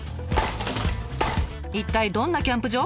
一体どんなキャンプ場？